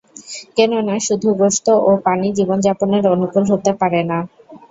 কেননা, শুধু গোশত ও পানি জীবন যাপনের অনুকূল হতে পারে না।